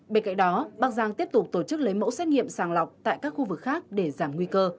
bên cạnh đó bắc giang tiếp tục tổ chức lấy mẫu xét nghiệm sàng lọc tại các khu vực khác để giảm nguy cơ